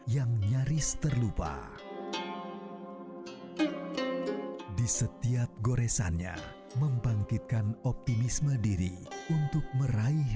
yang nyaris terlupa di setiap goresannya membangkitkan optimisme diri untuk meraih